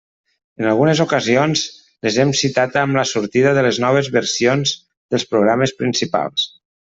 En algunes ocasions, les hem citat amb la sortida de les noves versions dels programes principals.